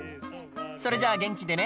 「それじゃあ元気でね